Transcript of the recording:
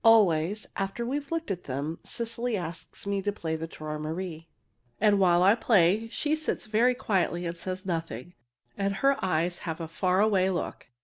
Always, after we've looked at them, Cecily asks me to play the "Träumerei." And while I play, she sits very quietly and says nothing, and her eyes have a far away look.